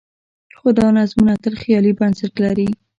خو دا نظمونه تل خیالي بنسټ لري.